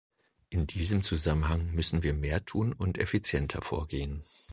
In diesem Zusammenhang müssen wir mehr tun und effizienter vorgehen.